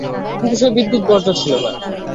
কিন্তু সে বিদ্যুতে বজ্র ছিল না।